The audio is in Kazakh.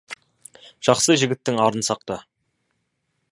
Жақсы жігіттің арын сақта.